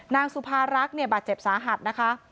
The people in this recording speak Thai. นางสุภารักษ์เนี่ยบาดเจ็บสาหัสนะคะ